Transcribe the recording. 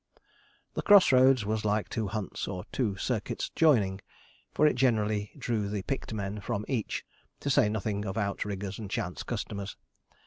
The 'Cross roads' was like two hunts or two circuits joining, for it generally drew the picked men from each, to say nothing of outriggers and chance customers.